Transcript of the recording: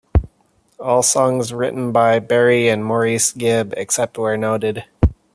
All songs written by Barry and Maurice Gibb, except where noted.